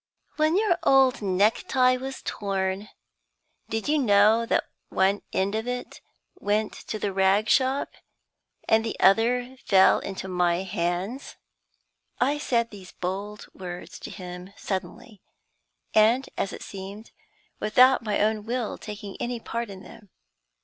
"When your old neck tie was torn, did you know that one end of it went to the rag shop, and the other fell into my hands?" I said these bold words to him suddenly, and, as it seemed, without my own will taking any part in them.